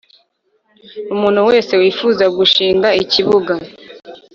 Umuntu wese wifuza gushinga ikibuga